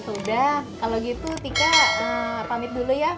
udah kalo gitu tika pamit dulu ya